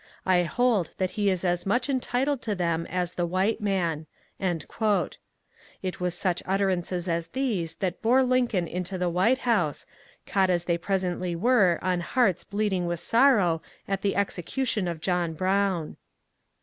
I hold that he is as much entitled to them as the white man." It was such utter ances as these that bore Lincoln into the White House, caught as they presently were on hearts bleeding with sorrow at the execution of John Brown.